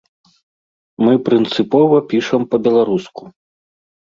Мы прынцыпова пішам па-беларуску.